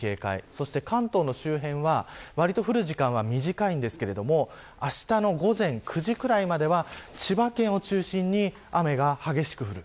そして関東の周辺はわりと降る時間は短いんですがあしたの午前９時くらいまでは千葉県を中心に雨が激しく降る。